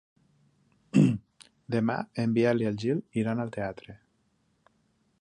Demà en Biel i en Gil iran al teatre.